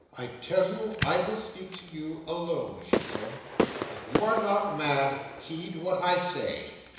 "I tell you I will speak to you alone," she said. "If you are not mad, heed what I say."